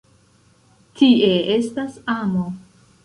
Tie estas amo!